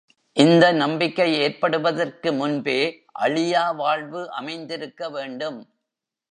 இந்த நம்பிக்கை ஏற்படுவதற்கு முன்பே அழியா வாழ்வு அமைந்திருக்க வேண்டும்.